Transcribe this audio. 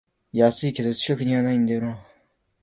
安いけど近くにないんだよなあ